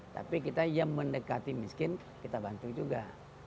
tapi kita yang mendekati miskin kita bantu juga